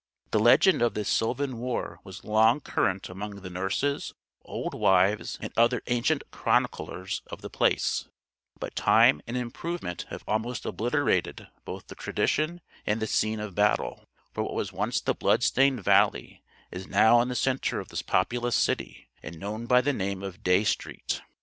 The legend of this sylvan war was long current among the nurses, old wives, and other ancient chroniclers of the place; but time and improvement have almost obliterated both the tradition and the scene of battle; for what was once the blood stained valley is now in the center of this populous city, and known by the name of Dey Street.